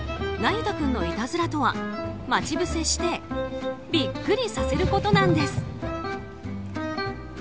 なゆ太君のいたずらとは待ち伏せしてビックリさせることなんです。